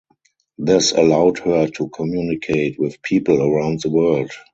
This allowed her to communicate with people around the world.